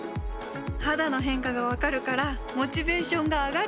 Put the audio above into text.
肌の変化が分かるからモチベーションが上がる！